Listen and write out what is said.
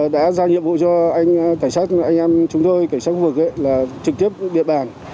đã ra nhiệm vụ cho anh em chúng tôi cảnh sát khu vực là trực tiếp địa bàn